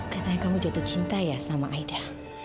katanya kamu jatuh cinta ya sama aida